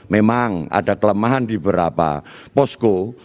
memang ada kelemahan di beberapa posko